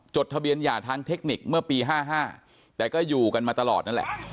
ทะเบียนหย่าทางเทคนิคเมื่อปี๕๕แต่ก็อยู่กันมาตลอดนั่นแหละ